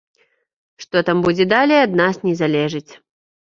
Што там будзе далей, ад нас не залежыць.